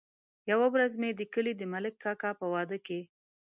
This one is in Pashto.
يوه ورځ مې د کلي د ملک کاکا په واده کې.